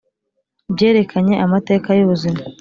byerekanye amateka yubuzima